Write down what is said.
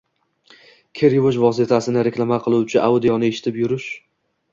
kir yuvish vositasini reklama qiluvchi audioni eshitib turish